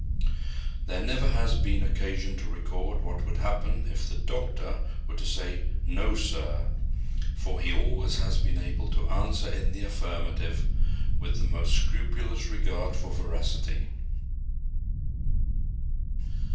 There never has been occasion to record what would happen if the "doctor" were to say, "No, sir." For he always has been able to answer in the affirmative, with the most scrupulous regard for veracity.